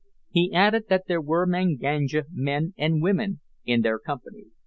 He added that there were Manganja men and women in their company.